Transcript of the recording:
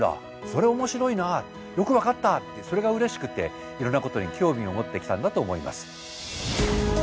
それ面白いなよく分かったってそれがうれしくていろんなことに興味を持ってきたんだと思います。